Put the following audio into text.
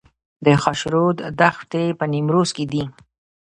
د خاشرود دښتې په نیمروز کې دي